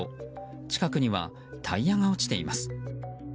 近くにはタイヤが落ちています。